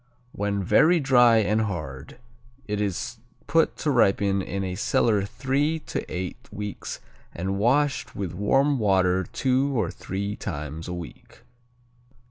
When very dry and hard, it is put to ripen in a cellar three to eight weeks and washed with warm water two or three times a week.